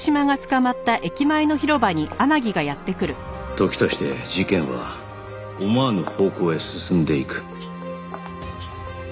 時として事件は思わぬ方向へ進んでいく